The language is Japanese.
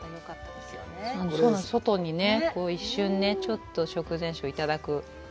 外に一瞬、ちょっと食前酒をいただく。